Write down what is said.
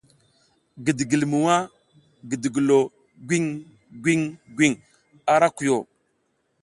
Gidigilmwa gidigilo gwiŋ gwiŋ gwiŋ a ra koyo.